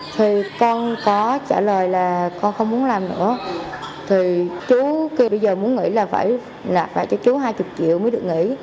thì con có trả lời là con không muốn làm nữa thì chú kêu bây giờ muốn nghĩ là phải nạp lại cho chú hai mươi triệu mới được nghỉ